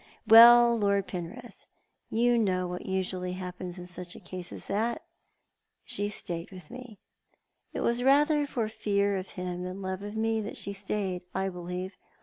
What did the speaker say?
"Well, Lord Penrith, you know what usually happens in such a case as that. She stayed with me. It was rather for fear of him than love of me that she stayed, I believe.